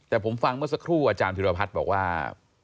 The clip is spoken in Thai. แต่ผมฟังเมื่อสักครู่อาจารย์ธิรพัฒน์บอกว่า